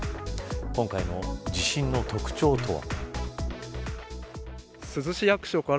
今回の地震の特徴とは。